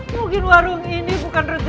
mungkin warung ini bukan rejeki saya